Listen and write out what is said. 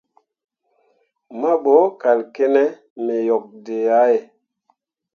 Mahbo kal kǝne me yok dǝ̃ǝ̃ yah ye.